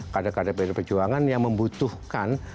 kada kada pdi pejuangan yang membutuhkan